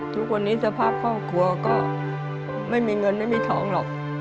ทุกวันนี้สภาพครอบครัวก็ไม่มีเงินไม่มีทองหรอก